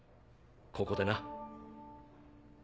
ここでな。